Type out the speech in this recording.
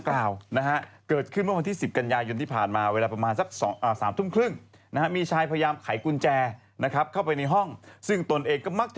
แล้วก็หายไปประมาณเวื่อเดือนแล้วด้วยเขาว่าอย่างงั้น